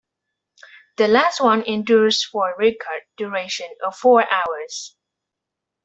The last one endures for a record duration of four hours.